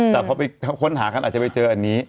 แต่พอไปค้นหากันอาจจะไปเจออันนี้